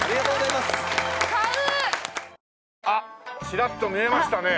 チラッと見えましたね。